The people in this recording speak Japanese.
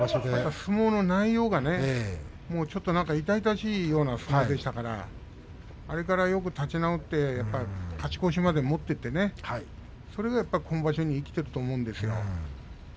相撲の内容が痛々しいような相撲でしたからあれからよく立ち直って勝ち越しまで持っていってそれがこの場所に生きていると思うんですよ。